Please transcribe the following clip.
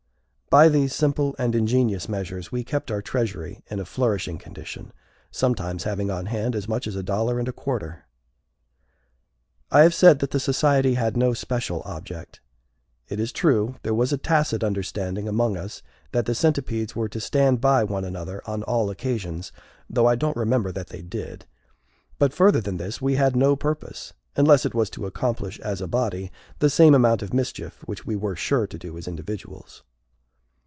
By these simple and ingenious measures we kept our treasury in a flourishing condition, sometimes having on hand as much as a dollar and a quarter. I have said that the society had no special object. It is true, there was a tacit understanding among us that the Centipedes were to stand by one another on all occasions, though I don't remember that they did; but further than this we had no purpose, unless it was to accomplish as a body the same amount of mischief which we were sure to do as individuals.